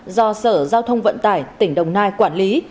do sở giao thông vận tải tỉnh đồng nai quản lý